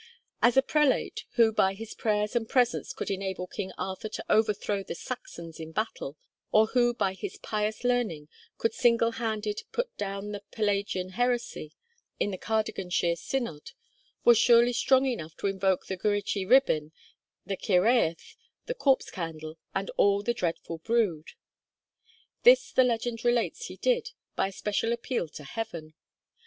And a prelate who by his prayers and presence could enable King Arthur to overthrow the Saxons in battle, or who by his pious learning could single handed put down the Pelagian heresy in the Cardiganshire synod, was surely strong enough to invoke the Gwrach y Rhibyn, the Cyhyraeth, the Corpse Candle, and all the dreadful brood. This the legend relates he did by a special appeal to Heaven.